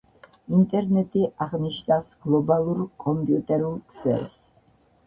ინტერნეტი აღნიშნავს გლობალურ კომპიუტერულ ქსელს